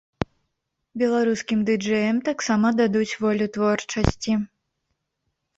Беларускім ды-джэям таксама дадуць волю творчасці.